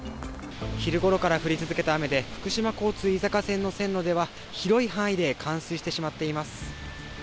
昼ごろから降り続けた雨で福島交通・飯坂線の線路は広い範囲で冠水してしまっています。